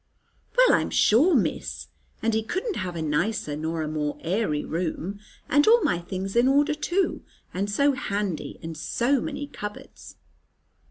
"Well I'm sure, Miss! And he couldn't have a nicer nor a more airy room; and all my things in order too, and so handy, and so many cupboards!"